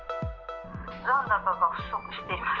残高が不足しています。